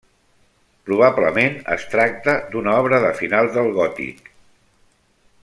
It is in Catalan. Probablement es tracta d'una obra de finals del gòtic.